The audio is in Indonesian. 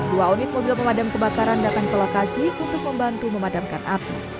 dua unit mobil pemadam kebakaran datang ke lokasi untuk membantu memadamkan api